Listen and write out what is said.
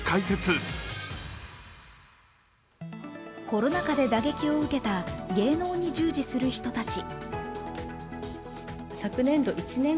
コロナ禍で打撃を受けた芸能に従事する人たち。